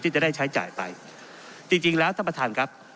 จะได้ใช้จ่ายไปจริงจริงแล้วท่านประธานครับ